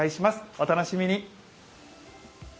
お楽しみに。